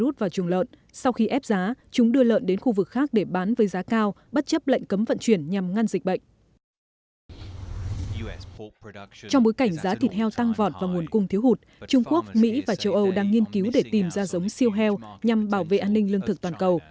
trong bối cảnh giá thịt heo tăng vọt và nguồn cung thiếu hụt trung quốc mỹ và châu âu đang nghiên cứu để tìm ra giống siêu heo nhằm bảo vệ an ninh lương thực toàn cầu